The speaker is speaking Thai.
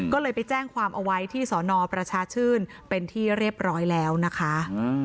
ก็เลยไปแจ้งความเอาไว้ที่สอนอประชาชื่นเป็นที่เรียบร้อยแล้วนะคะ